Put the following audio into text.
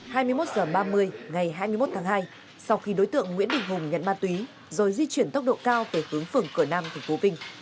hai mươi một h ba mươi ngày hai mươi một tháng hai sau khi đối tượng nguyễn đình hùng nhận ma túy rồi di chuyển tốc độ cao về hướng phường cửa nam tp vinh